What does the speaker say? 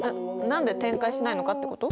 何で展開しないのかってこと？